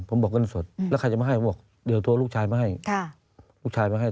ผมบอกเงินสดแล้วใครจะมาให้ผมบอกเดี๋ยวโทรลูกชายมาให้ค่ะ